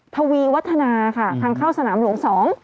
ทวีวัฒนาค่ะทางเข้าสนามหลวง๒